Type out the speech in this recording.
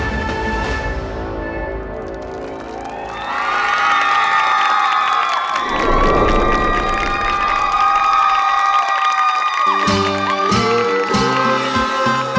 สวัสดีครับ